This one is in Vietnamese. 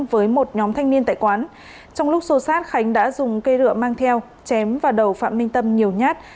với một nhóm thanh niên tại quán trong lúc xô sát khánh đã dùng cây rượu mang theo chém vào đầu phạm minh tâm nhiều nhát